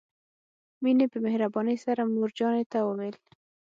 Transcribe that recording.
مينې په مهربانۍ سره مور جانې ته وويل.